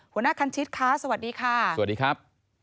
หัวหน้าคันชิดคะสวัสดีค่ะสวัสดีครับ